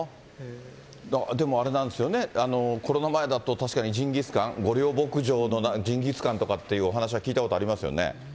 でもあれなんですよね、コロナ前だと確かにジンギスカン、御料牧場のジンギスカンとかってお話は聞いたことありますよね。